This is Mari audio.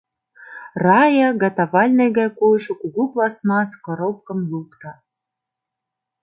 Рая готовальный гай койшо кугу пластмасс коропкым лукто.